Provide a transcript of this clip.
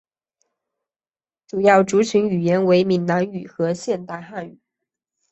主要族群语言为闽南语和现代汉语。